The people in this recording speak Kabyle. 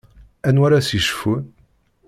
Anwa ara s-yecfun?